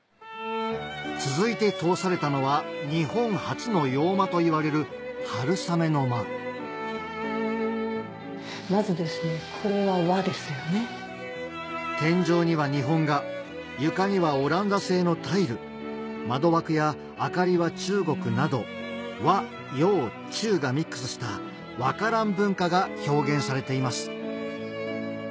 続いて通されたのは日本初の洋間といわれる天井には日本画床にはオランダ製のタイル窓枠や明かりは中国など和・洋・中がミックスした和華蘭文化が表現されています